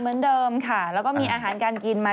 เหมือนเดิมค่ะแล้วก็มีอาหารการกินมา